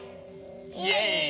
イエイ！